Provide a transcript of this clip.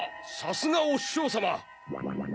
さすがお師匠様